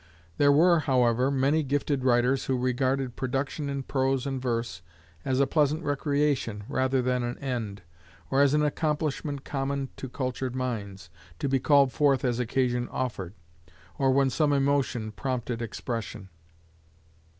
There were, however, many gifted writers who regarded production in prose and verse as a pleasant recreation rather than an end, or as an accomplishment common to cultured minds, to be called forth as occasion offered, or when some emotion prompted expression.